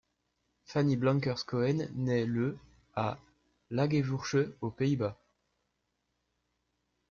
Fanny Blankers-Koen nait le à Lage Vuursche aux Pays-Bas.